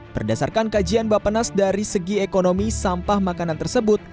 berdasarkan kajian bapenas dari segi ekonomi sampah makanan tersebut